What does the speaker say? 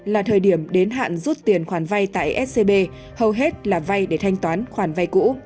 là thời điểm đến hạn rút tiền khoản vay tại scb hầu hết là vay để thanh toán khoản vay cũ